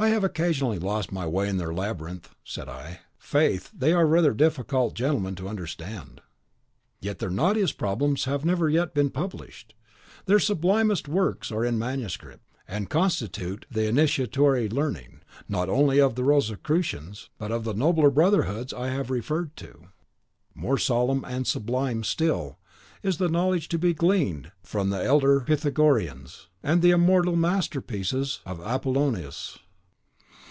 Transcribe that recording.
"I have occasionally lost my way in their labyrinth," said I. "Faith, they are rather difficult gentlemen to understand." "Yet their knottiest problems have never yet been published. Their sublimest works are in manuscript, and constitute the initiatory learning, not only of the Rosicrucians, but of the nobler brotherhoods I have referred to. More solemn and sublime still is the knowledge to be gleaned from the elder Pythagoreans, and the immortal masterpieces of Apollonius."